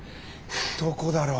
どこだろう？